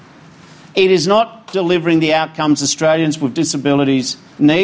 dana asuransi tidak menerjakan keuntungan yang diperlukan oleh asuransi disabilitas asuransi